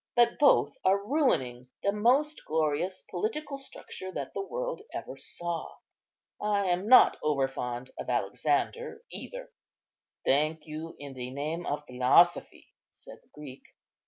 But both are ruining the most glorious political structure that the world ever saw. I am not over fond of Alexander either." "Thank you in the name of philosophy," said the Greek.